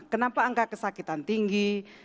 kenapa angka kesakitan tinggi